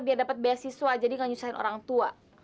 biar dapat biasiswa jadi gak nyusahin orang tua